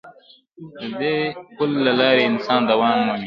د دې پل له لارې انسان دوام مومي.